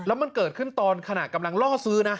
แล้วมันเกิดขึ้นตอนขณะกำลังล่อซื้อนะ